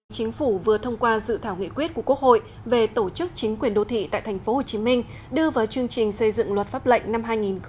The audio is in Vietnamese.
chính phủ vừa thông qua dự thảo nghị quyết của quốc hội về tổ chức chính quyền đô thị tại tp hcm đưa vào chương trình xây dựng luật pháp lệnh năm hai nghìn hai mươi